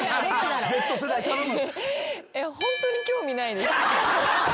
Ｚ世代頼む。